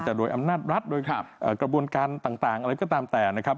แต่โดยอำนาจรัฐโดยกระบวนการต่างอะไรก็ตามแต่นะครับ